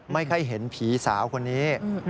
ไม่ค่อยเห็นผีสาวคนนี้